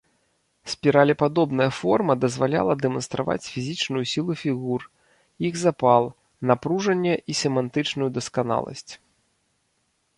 Спіралепадобная форма дазваляла дэманстраваць фізічную сілу фігур, іх запал, напружанне і семантычную дасканаласць.